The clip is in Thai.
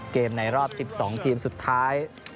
ในรอบ๑๒ทีมสุดท้าย